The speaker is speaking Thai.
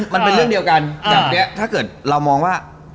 มันเป็นเรื่องเดียวกันอย่างนี้ถ้าเกิดเรามองว่า